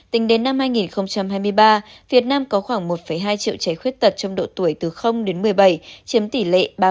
tính đến năm hai nghìn hai mươi ba việt nam có khoảng một hai triệu trẻ khuyết tật trong độ tuổi từ đến một mươi bảy chiếm tỷ lệ ba mươi